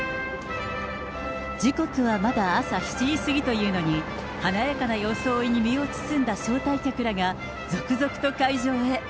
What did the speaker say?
時刻はまだ朝７時過ぎというのに、華やかな装いに身を包んだ招待客らが、続々と会場へ。